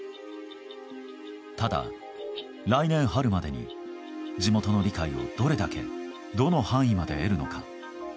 ただ、来年春までに地元の理解を、どれだけどの範囲まで得るのか。